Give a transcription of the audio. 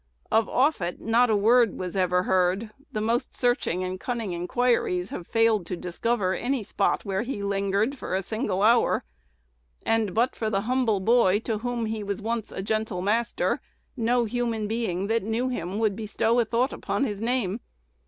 Of Offutt not a word was ever heard: the most searching and cunning inquiries have failed to discover any spot where he lingered for a single hour; and but for the humble boy, to whom he was once a gentle master, no human being that knew him then would bestow a thought upon his name.